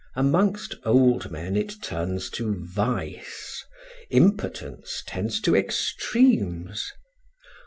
Amongst old men it turns to vice; impotence tends to extremes.